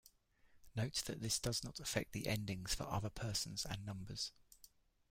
Note that this does not affect the endings for other persons and numbers.